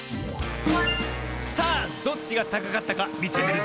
さあどっちがたかかったかみてみるぞ。